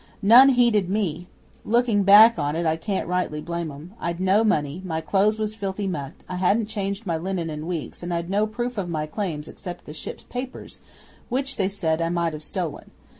None heeded me. Looking back on it I can't rightly blame 'em. I'd no money, my clothes was filthy mucked; I hadn't changed my linen in weeks, and I'd no proof of my claims except the ship's papers, which, they said, I might have stolen.